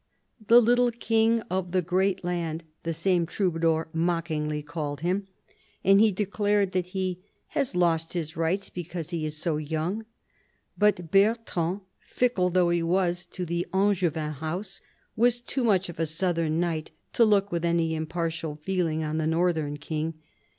" The little king of the great land," the same Troubadour mockingly called him, and he declared that he " has lost his rights because he is so young." But Bertrand, fickle though he was to the Angevin house, was too much of a southern knight to look with any impartial feeling on the northern king.